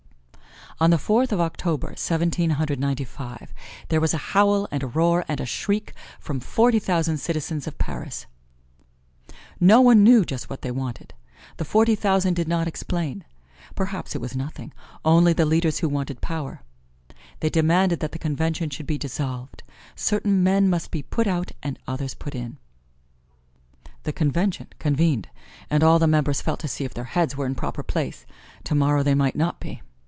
On the Fourth of October, Seventeen Hundred Ninety five, there was a howl and a roar and a shriek from forty thousand citizens of Paris. No one knew just what they wanted the forty thousand did not explain. Perhaps it was nothing only the leaders who wanted power. They demanded that the Convention should be dissolved: certain men must be put out and others put in. The Convention convened and all the members felt to see if their heads were in proper place tomorrow they might not be.